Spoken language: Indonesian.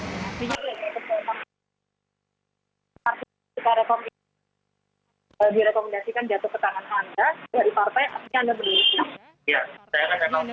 jadi kalau partai ini direkomendasikan jatuh ke tangan anda